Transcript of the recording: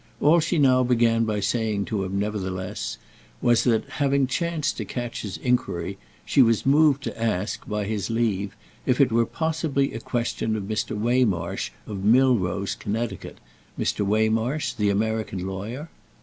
All she now began by saying to him nevertheless was that, having chanced to catch his enquiry, she was moved to ask, by his leave, if it were possibly a question of Mr. Waymarsh of Milrose Connecticut—Mr. Waymarsh the American lawyer.